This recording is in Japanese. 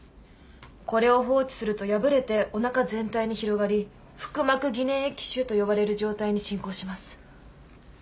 これを放置すると破れておなか全体に広がり腹膜偽粘液腫と呼ばれる状態に進行します。